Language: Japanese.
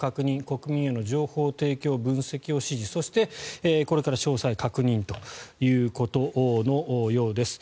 国民への情報提供・分析を指示そして、これから詳細を確認ということのようです。